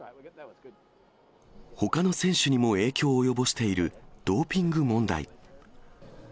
ほかの選手にも影響を及ぼしているドーピング問題。